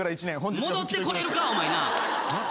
戻ってこれるかお前なあ。